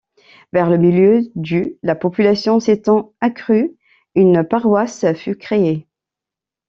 Vers le milieu du La population s'étant accrue, une paroisse fut créée.